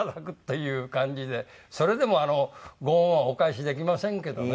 それでもご恩はお返しできませんけどね。